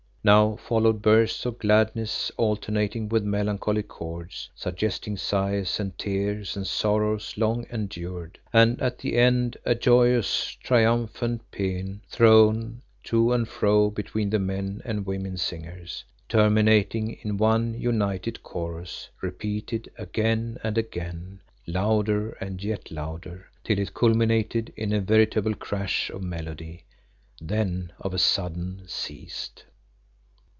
Now followed bursts of gladness alternating with melancholy chords suggesting sighs and tears and sorrows long endured, and at the end a joyous, triumphant paean thrown to and fro between the men and women singers, terminating in one united chorus repeated again and again, louder and yet louder, till it culminated in a veritable crash of melody, then of a sudden ceased.